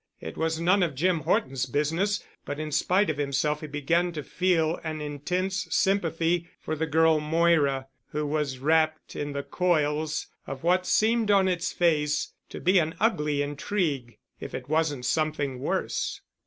It was none of Jim Horton's business, but in spite of himself he began feeling an intense sympathy for the girl Moira, who was wrapped in the coils of what seemed on its face to be an ugly intrigue, if it wasn't something worse.